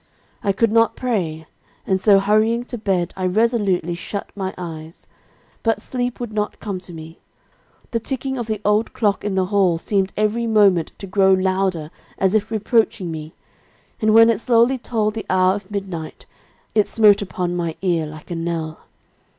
I could not pray, and so hurrying to bed, I resolutely shut my eyes. But sleep would not come to me. The ticking of the old clock in the hall seemed every moment to grow louder, as if reproaching me; and when it slowly told the hour of midnight, it smote upon my ear like a knell.